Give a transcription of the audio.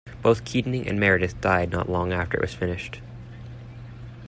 Both Keating and Meredith died not long after it was finished.